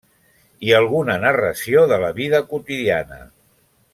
I alguna narració de la vida quotidiana.